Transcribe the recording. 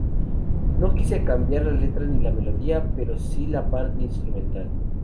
No quise cambiar la letra ni la melodía, pero sí la parte instrumental.